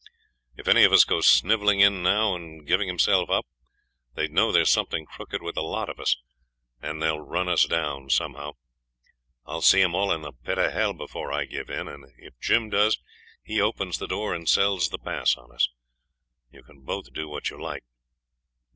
If any of us goes snivelling in now and giving himself up, they'd know there's something crooked with the lot of us, and they'll run us down somehow. I'll see 'em all in the pit of h l before I give in, and if Jim does, he opens the door and sells the pass on us. You can both do what you like.'